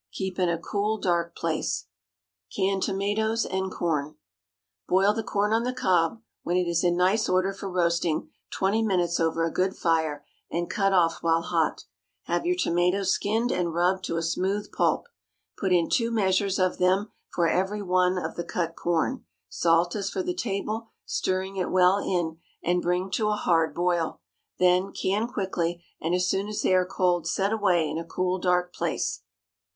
Keep in a cool, dark place. CANNED TOMATOES AND CORN. ✠ Boil the corn on the cob, when it is in nice order for roasting, twenty minutes over a good fire, and cut off while hot. Have your tomatoes skinned and rubbed to a smooth pulp. Put in two measures of them for every one of the cut corn; salt as for the table, stirring it well in, and bring to a hard boil. Then, can quickly, and as soon as they are cold set away in a cool, dark place.